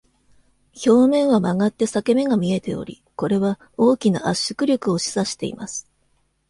表面は曲がって裂け目が見えており、これは大きな圧縮力を示唆しています。